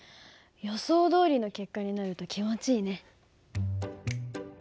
予想どおりの結果になると気持ちいいね。